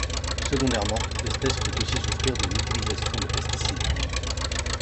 Secondairement, l’espèce peut aussi souffrir de l’utilisation de pesticides.